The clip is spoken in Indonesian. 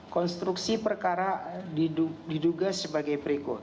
konstruksi perkara diduga sebagai berikut